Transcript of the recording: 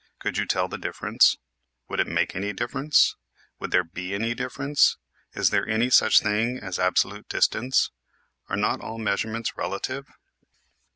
Could you tell the difference? Would it make any difference? Would there be any difference? Is there any such thing as absolute distance ? Are not all measurements relative